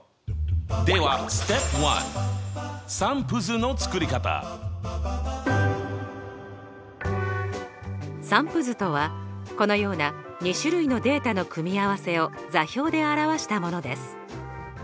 では散布図とはこのような２種類のデータの組み合わせを座標で表したものです。